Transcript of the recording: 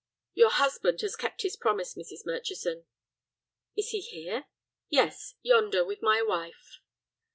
"Your husband has kept his promise, Mrs. Murchison." "Is he here?" "Yes, yonder, with my wife."